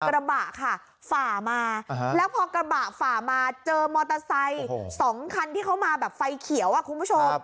กระบะค่ะฝ่ามาแล้วพอกระบะฝ่ามาเจอมอเตอร์ไซค์๒คันที่เขามาแบบไฟเขียวอ่ะคุณผู้ชม